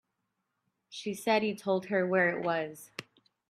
She said you told her where it was.